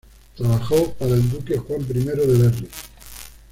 Trabajó para el duque Juan I de Berry.